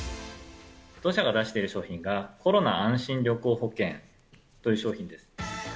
当社が出している商品が、コロナあんしん旅行保険という商品です。